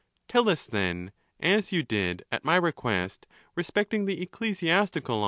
—Tell us, then, as you did at my request. respecting the ecclesiastical.